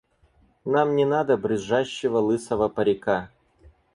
Нам не надо брюзжащего лысого парика!